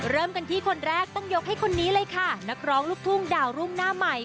เริ่มกันที่คนแรกต้องยกให้คนนี้เลยค่ะนักร้องลูกทุ่งดาวรุ่งหน้าใหม่